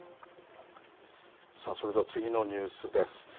さあ、それでは次のニュースです。